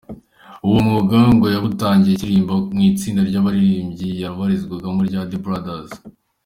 Uwo mwuga ngo yawutangiye akiririmba mu itsinda ry’abaririmbyi yabarizwagamo rya The Brothers.